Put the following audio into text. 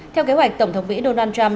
theo kế hoạch tổng thống mỹ donald trump